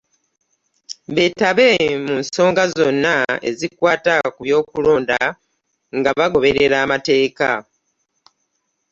Beetabe mu nsonga zonna ezikwata ku by'okulonda nga bagoberera amateeka